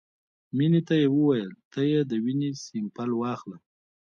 مينې ته يې وويل ته يې د وينې سېمپل واخله.